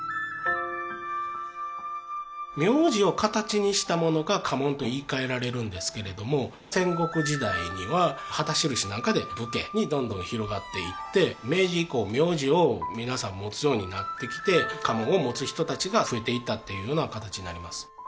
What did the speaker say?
苗字を形にしたものが家紋と言いかえられるんですけれども戦国時代には旗印なんかで武家にどんどん広がっていって明治以降苗字を皆さん持つようになってきて家紋を持つ人達が増えていったっていうような形になります